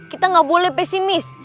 kita gak boleh pesimis